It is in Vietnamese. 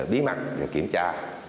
bí mật kiểm tra